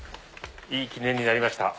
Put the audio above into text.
いい記念になりました。